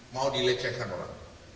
mau dilecehkan orang